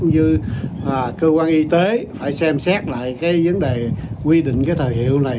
như cơ quan y tế phải xem xét lại cái vấn đề quy định cái thời hiệu này